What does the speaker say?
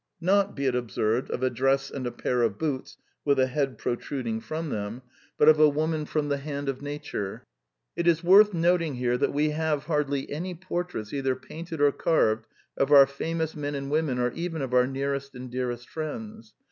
Not, be it observed, of a dress and a pair of boots, with a head pro truding from them, but of a woman from the 174 The Quintessence of Ibsenism hand of Nature. It is worth noting here that we have hardly any portraits, either painted or carved, of our famous men and women or even of our nearest and dearest friends.